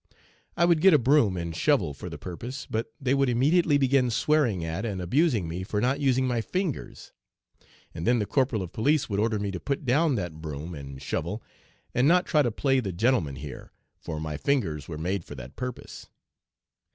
I would get a broom and shovel for the purpose, but they would immediately begin swearing at and abusing me for not using my fingers, and then the corporal of police would order me to put down that broom and shovel, 'and not to try to play the gentleman here,' for my fingers were 'made for that purpose.'